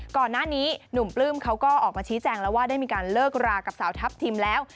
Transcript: ก่อนหน้านี้หนุ่มปลื้มเขาก็ออกมาชี้แจงแล้วว่าได้มีการเลิกรากับสาวทัพทิมแล้ว